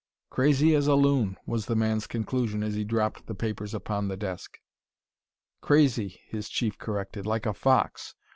"Crazy as a loon," was the man's conclusion as he dropped the papers upon the desk. "Crazy," his chief corrected, "like a fox!